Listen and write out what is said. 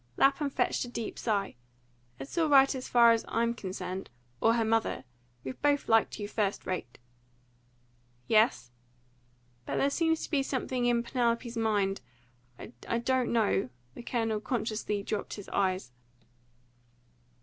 Lapham fetched a deep sigh. "It's all right as far as I'm concerned or her mother. We've both liked you first rate." "Yes?" "But there seems to be something in Penelope's mind I don't know " The Colonel consciously dropped his eyes.